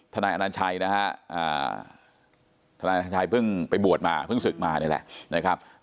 นายอนัญชัยนะฮะทนายนัญชัยเพิ่งไปบวชมาเพิ่งศึกมานี่แหละนะครับ